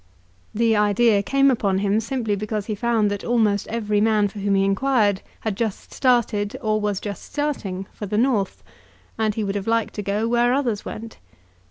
The idea came upon him simply because he found that almost every man for whom he inquired had just started, or was just starting, for the North; and he would have liked to go where others went.